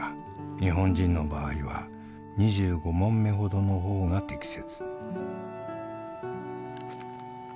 「日本人の場合は２５匁ほどのほうが適切」